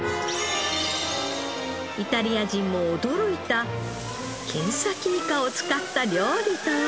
イタリア人も驚いたケンサキイカを使った料理とは？